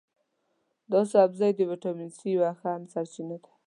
دا سبزی د ویټامین سي یوه ښه سرچینه ده.